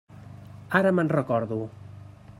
Ara me'n recordo.